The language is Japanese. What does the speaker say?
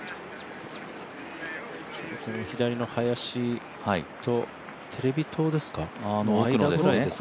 この左の林とテレビ塔ですか、間ぐらいですね。